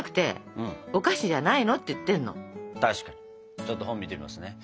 ちょっと本見てみますね。